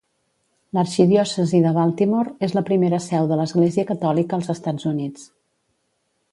L'arxidiòcesi de Baltimore és la primera seu de l'Església Catòlica als Estats Units.